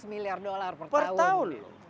seratus miliar usd per tahun